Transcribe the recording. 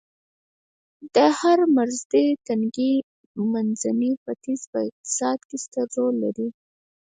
د هرمرز تنګی منځني ختیځ په اقتصاد کې ستر رول لري